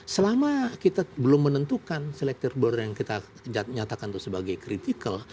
selama kita belum menentukan selector border yang kita nyatakan itu sebagai kritikal